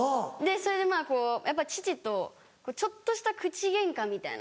それで父とちょっとした口ゲンカみたいな。